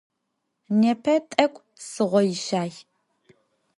Непэ тӏэкӏу сыгъойщай.